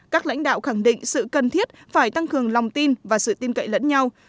các lãnh đạo khẳng định sự cần thiết phải tăng cường lòng tin và sự tin cậy lẫn nhau